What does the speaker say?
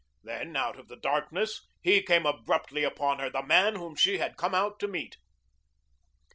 Then, out of the darkness, he came abruptly upon her, the man whom she had come out to meet.